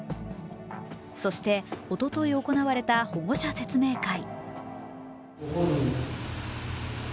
そして、おととい行われた保護者説明会。